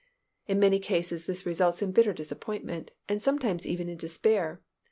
In many cases this results in bitter disappointment and sometimes even in despair.